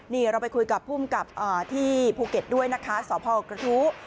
นี่เราไปคุยกับภูมิกับที่ภูเก็ตด้วยนะคะสพกระทู้